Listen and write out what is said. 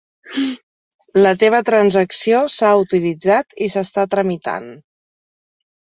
La teva transacció s'ha autoritzat i s'està tramitant.